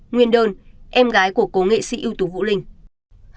nguyên đơn em gái của cô nghệ sĩ yêu tú vũ linh